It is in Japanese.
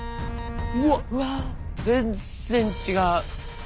うわっ全然違う。